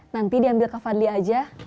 nanti diambil ke fadli aja